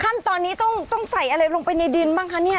ขั้นตอนนี้ต้องใส่อะไรลงไปในดินบ้างคะเนี่ย